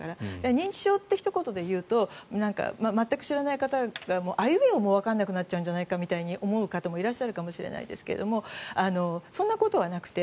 認知症ってひと言で言うと全く知らない方があいうえおもわからなくなるんじゃないかと思う方もいらっしゃるかもしれないですがそんなことはなくて